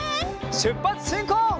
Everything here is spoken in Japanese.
しゅっぱつしんこう！